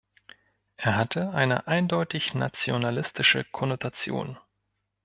Er hatte eine eindeutig nationalistische Konnotation.